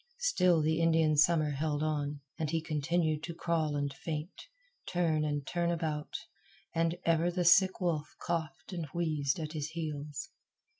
Still the Indian Summer held on, and he continued to crawl and faint, turn and turn about; and ever the sick wolf coughed and wheezed at his heels.